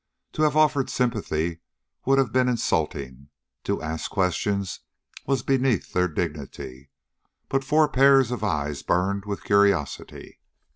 To have offered sympathy would have been insulting; to ask questions was beneath their dignity, but four pairs of eyes burned with curiosity.